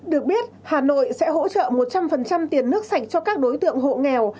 được biết hà nội sẽ hỗ trợ một trăm linh tiền nước sạch cho các đối tượng hộ nghèo